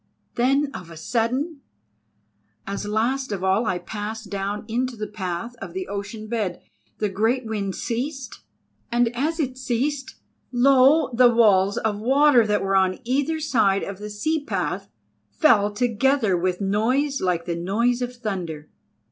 Then of a sudden, as last of all I passed down into the path of the ocean bed, the great wind ceased, and as it ceased, lo! the walls of water that were on either side of the sea path fell together with noise like the noise of thunder.